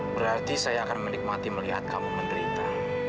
berarti saya akan menikmati melihat kamu menderita